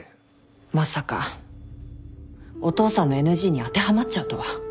まさかお父さんのＮＧに当てはまっちゃうとは。